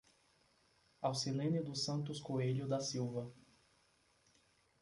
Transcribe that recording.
Aucilene dos Santos Coelho da Silva